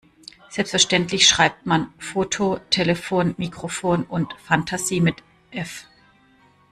Selbstverständlich schreibt man Foto, Telefon, Mikrofon und Fantasie mit F.